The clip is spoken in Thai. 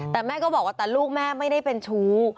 แต่แม่ก็บอกว่าแต่ลูกแม่ไม่ได้เป็นชู้